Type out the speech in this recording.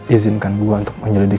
izinkan gue untuk menyelidiki